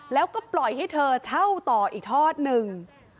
แล้วก็ปล่อยให้เธอเช่าต่ออีกทอดหนึ่ง